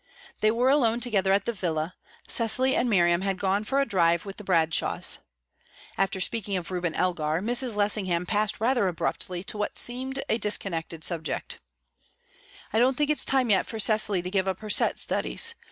They were alone together at the villa; Cecily and Miriam had gone for a drive with the Bradshaws. After speaking of Reuben Elgar, Mrs. Lessingham passed rather abruptly to what seemed a disconnected subject. "I don't think it's time yet for Cecily to give up her set studies.